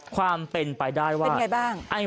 ความเป็นไปได้ว่าเป็นไงบ้าง